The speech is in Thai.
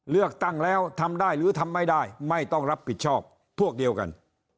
เลือกตั้งแล้วทำได้หรือทำไม่ได้ไม่ต้องรับผิดชอบพวกเดียวกัน